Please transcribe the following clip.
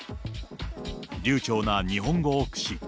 流ちょうな日本語を駆使。